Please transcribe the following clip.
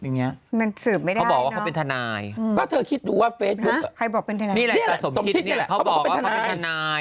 เนี่ยเขาบอกเขาเป็นท่านาย